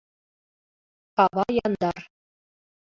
Кава яндар.